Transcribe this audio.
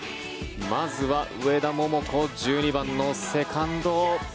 まずは上田桃子、１２番のセカンド。